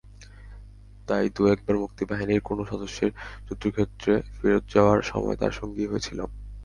তাই দু-একবার মুক্তিবাহিনীর কোনো সদস্যের যুদ্ধক্ষেত্রে ফেরত যাওয়ার সময় তাঁর সঙ্গী হয়েছিলাম।